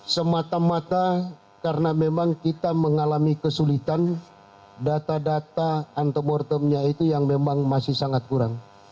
semata mata karena memang kita mengalami kesulitan data data antemortemnya itu yang memang masih sangat kurang